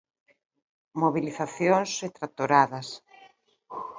Mobilizacións e tractoradas.